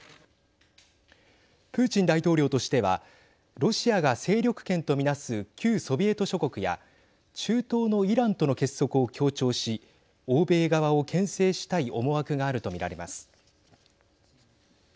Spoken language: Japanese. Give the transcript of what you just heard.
プーチン大統領としてはロシアが勢力圏とみなす旧ソビエト諸国や中東のイランとの結束を強調し欧米側をけん制したい思惑があると見られます。